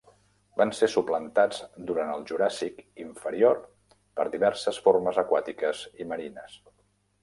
Van ser suplantats durant el Juràssic inferior per diverses formes aquàtiques i marines.